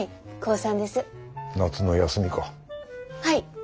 はい。